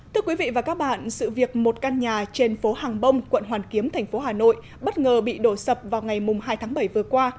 thưa quý vị và các bạn sự việc một căn nhà trên phố hàng bông quận hoàn kiếm thành phố hà nội bất ngờ bị đổ sập vào ngày hai tháng bảy vừa qua